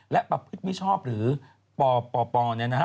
และประพฤษพิชภพหรือปปปนะฮะ